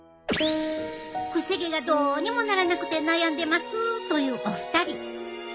くせ毛がどうにもならなくて悩んでますというお二人。